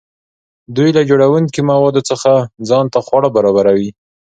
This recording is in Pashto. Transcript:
دوی له جوړونکي موادو څخه ځان ته خواړه برابروي.